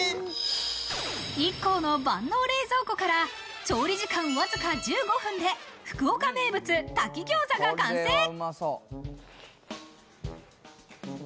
ＩＫＫＯの万能冷蔵庫から調理時間わずか１５分で福岡名物・炊き餃子が完成。